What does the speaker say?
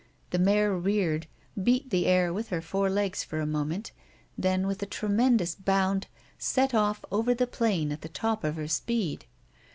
The mare reared, beat the air with her fore legs for a moment, then, with a tremendous bound, set off over the plain at the top of her speed.